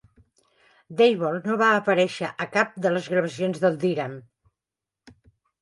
Dyble no va aparèixer a cap de les gravacions de Deram.